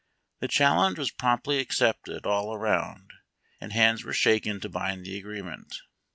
The challenge was promptly accepted all around, and hands were shaken to bind the agreement.